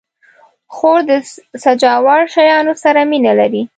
خور د سجاوړ شیانو سره مینه لري.